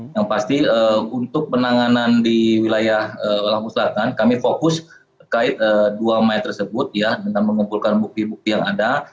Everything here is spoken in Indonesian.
yang pasti untuk penanganan di wilayah lampung selatan kami fokus terkait dua mayat tersebut ya dengan mengumpulkan bukti bukti yang ada